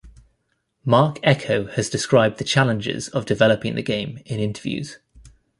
Marc Ecko has described the challenges of developing the game in interviews.